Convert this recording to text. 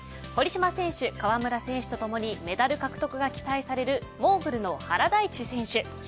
堀島選手、川村選手と共にメダル獲得が期待されるモーグルの原大智選手。